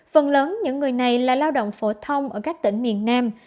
phần lớn những người này là lao động phổ thông ở các tỉnh miền nam